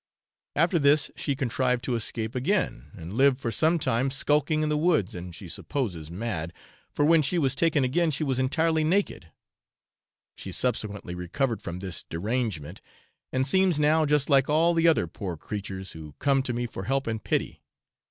After this she contrived to escape again, and lived for some time skulking in the woods, and she supposes mad, for when she was taken again she was entirely naked. She subsequently recovered from this derangement, and seems now just like all the other poor creatures who come to me for help and pity.